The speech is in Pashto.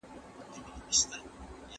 د نويو طريقو اغېز څه دی؟